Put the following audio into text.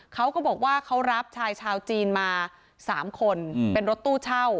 เขาก็บอกว่าเขารับชายชาวจีนมา๓คนเป็นรถตู้เช่า